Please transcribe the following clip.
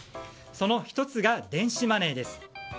その１つが、電子マネーです。